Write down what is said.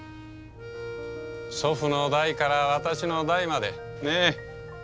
祖父の代から私の代までねえ。